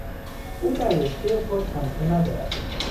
او در رشتهی خود همتا ندارد.